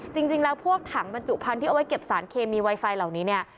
จริงแล้วพวกถังบรรจุพันธุ์ที่เอาไว้เก็บสารเคมีไวไฟเหล่านี้เนี่ย